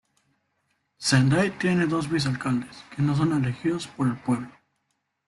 Sendai tiene dos vice alcaldes, que no son elegidos por el pueblo.